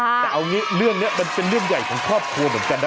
แต่เอางี้เรื่องนี้มันเป็นเรื่องใหญ่ของครอบครัวเหมือนกันนะ